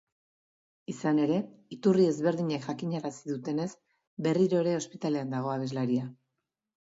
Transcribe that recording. Izan ere, iturri ezberdinek jakinarazi dutenez, berriro ere ospitalean dago abeslaria.